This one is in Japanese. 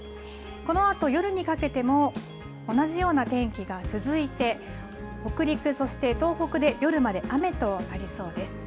このあと夜にかけても同じような天気が続いて、北陸、そして東北で夜まで雨となりそうです。